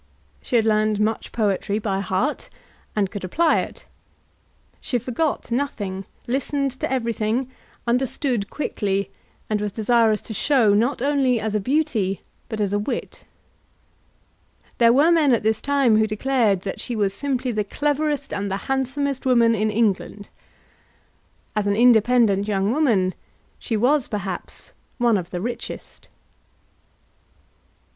She had learned much poetry by heart, and could apply it. She forgot nothing, listened to everything, understood quickly, and was desirous to show not only as a beauty but as a wit. There were men at this time who declared that she was simply the cleverest and the handsomest woman in England. As an independent young woman she was perhaps one of the richest.